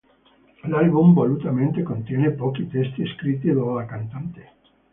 L'album volutamente contiene pochi testi scritti dalla cantante.